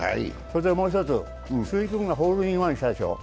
もう一つ、鈴木君がホールインしたでしょう。